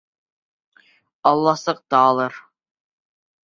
Аласыҡталыр.